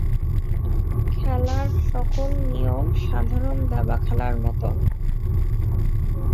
খেলার সকল নিয়ম সাধারণ দাবা খেলার মতন।